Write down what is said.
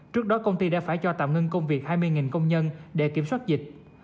trước đó công ty đã phải cho tạm ngưng công việc hai mươi công nhân để kiểm soát dịch